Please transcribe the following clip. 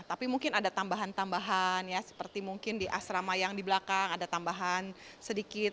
tapi mungkin ada tambahan tambahan ya seperti mungkin di asrama yang di belakang ada tambahan sedikit